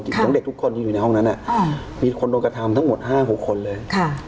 ของเด็กทุกคนที่อยู่ในห้องนั้นมีคนโดนกระทำทั้งหมด๕๖คนเลย